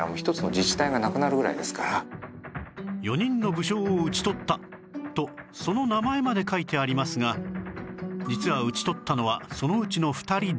４人の武将を討ち取ったとその名前まで書いてありますが実は討ち取ったのはそのうちの２人だけ